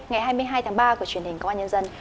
ngày hai mươi hai tháng ba của truyền hình công an nhân dân